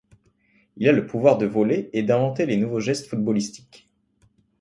Il a le pouvoir de voler et d'inventer des nouveaux gestes footballistiques.